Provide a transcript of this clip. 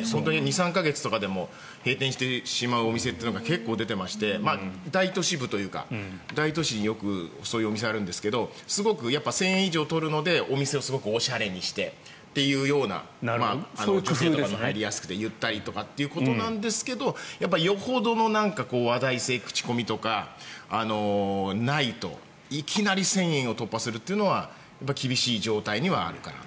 ２３か月とかでも閉店してしまうお店が結構出ていまして大都市によくそういうお店があるんですけど１０００円以上取るのでお店をすごくおしゃれにしてというような入りやすくてゆったりということなんですけどよほどの話題性とか口コミとかないといきなり１０００円を突破するというのはやっぱり厳しい状態にはあるかなと。